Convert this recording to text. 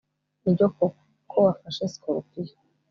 Nibyo koko ko wafashe sikorupiyo